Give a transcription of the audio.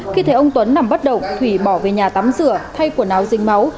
khi thấy ông tuấn nằm bắt động thủy bỏ về nhà tắm rửa thay quần áo dính máu